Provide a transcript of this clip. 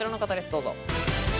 どうぞ。